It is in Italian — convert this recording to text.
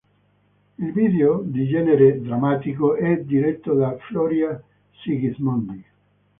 Il video di genere drammatico è diretto da Floria Sigismondi.